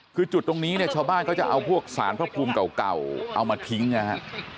คือจุดตรงนี้ชาวบ้านก็จะเอาพวกสารพระภูมิเก่าเอามาทิ้งนะครับ